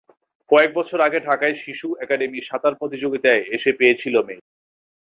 কয়েক বছর আগে ঢাকায় বাংলাদেশ শিশু একাডেমীর সাঁতার প্রতিযোগিতায় এসে পেয়েছিল মেয়েটি।